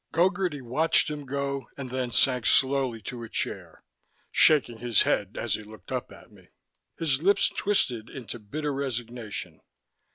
Gogarty watched him go, and then sank slowly to a chair, shaking his head as he looked up at me. His lips twisted into bitter resignation.